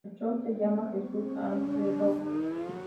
El show se llamaba "Jesus At the Roxy".